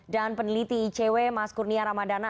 dan peneliti icw mas kurnia ramadana